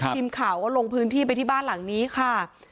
ทีมข่าวก็ลงพื้นที่ไปที่บ้านหลังนี้ค่ะ